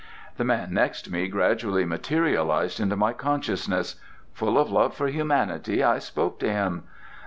The man next me gradually materialized into my consciousness. Full of love for humanity I spoke to him.